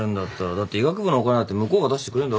だって医学部のお金だって向こうが出してくれんだろ？